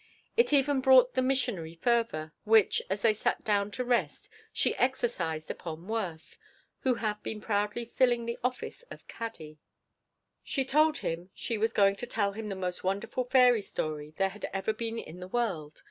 It even brought the missionary fervor, which, as they sat down to rest, she exercised upon Worth, who had been proudly filling the office of caddy. She told him that she was going to tell him the most wonderful fairy story there had ever been in the world.